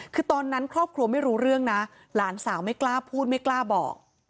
คือตอนนั้นครอบครัวไม่รู้เรื่องนะหลานสาวไม่กล้าพูดไม่กล้าบอก